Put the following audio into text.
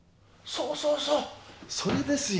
そうそうそうそれですよ。